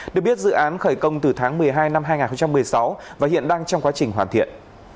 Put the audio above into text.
được biết dự án khởi công từ tháng một mươi hai năm hai nghìn một mươi sáu và hiện đang trong quá trình hoàn thiện